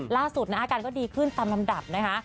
ล่าสุดนะอาการก็ดีขึ้นตามลำดับนะคะ